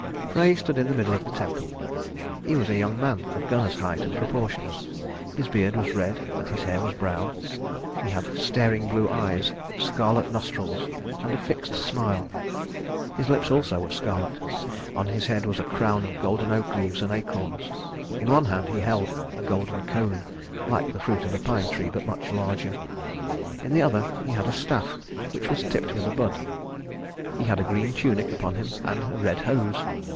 Frey stood in the middle of the temple. He was a young man of Gunnar's height and proportions. His beard was red and his hair was brown. He had staring blue eyes, scarlet nostrils and a fixed smile. His lips also were scarlet. On his head was a crown of golden oak leaves and acorns. In one hand he held a golden cone, like the fruit of a pine tree, but much larger. In the other he had a staff which was tipped with a bud. He had a green tunic upon him and red hose.